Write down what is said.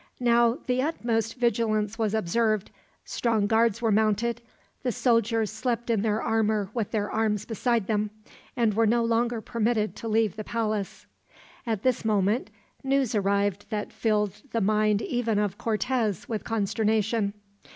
Now the utmost vigilance was observed, strong guards were mounted, the soldiers slept in their armor with their arms beside them, and were no longer permitted to leave the palace. At this moment news arrived that filled the mind even of Cortez with consternation.